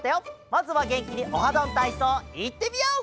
まずはげんきに「オハどんたいそう」いってみよう！